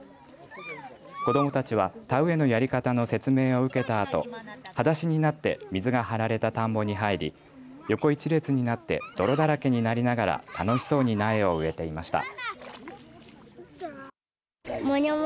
子どもたちは田植えのやり方の説明を受けたあとはだしになって水が張られた田んぼに入り横一列になって泥だらけになりながら楽しそうに苗を植えていました。